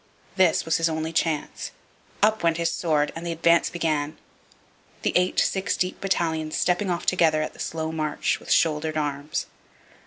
This was his only chance. Up went his sword, and the advance began, the eight six deep battalions stepping off together at the slow march, with shouldered arms.